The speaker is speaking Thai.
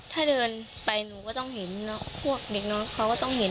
ถ้าเดินไปหนูก็ต้องเห็นพวกเด็กน้องเขาก็ต้องเห็น